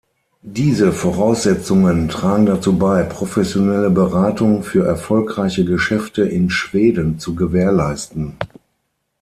Diese Voraussetzungen tragen dazu bei, professionelle Beratung für erfolgreiche Geschäfte in Schweden zu gewährleisten.